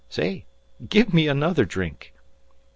Say, give me another drink.